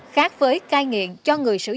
khác với cai nghiện cho người sử dụng